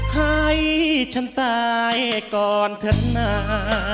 ให้ฉันตายก่อนเธอนาน